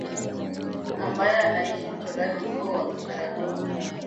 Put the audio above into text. ambaye anaiishi mchoraji huyo wa vikaragosi